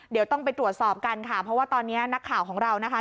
เดี๋ยวต้องไปตรวจสอบกันค่ะเพราะว่าตอนนี้นักข่าวของเรานะคะ